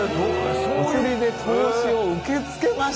おつりで投資を受け付けました！